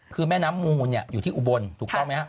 คือแม่น้ำมูลอยู่ที่อุบลถูกต้องไหมฮะ